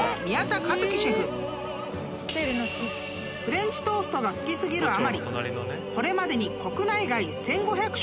［フレンチトーストが好き過ぎるあまりこれまでに］